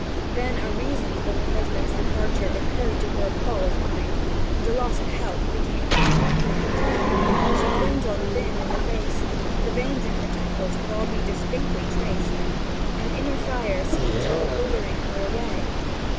Then a reason for her husband's departure occurred to her appalled mind, and a loss of health became quickly apparent. She dwindled thin in the face, and the veins in her temples could all be distinctly traced. An inner fire seemed to be withering her away.